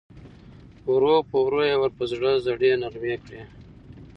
ورو په ورو یې ور په زړه زړې نغمې کړې